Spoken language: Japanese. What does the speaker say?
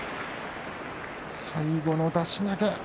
最後の出し投げ。